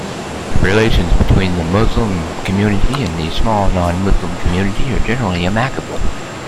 Relations between the Muslim community and the small non-Muslim community are generally amicable.